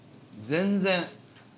全然。